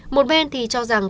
một bên thì cho rằng